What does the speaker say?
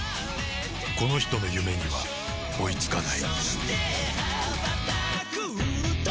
この人の夢には追いつかない。